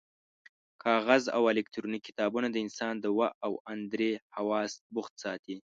کاغذي او الکترونیکي کتابونه د انسان دوه او ان درې حواس بوخت ساتي.